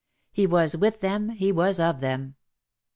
He was with them, he was of them.